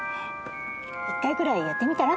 １回くらいやってみたら？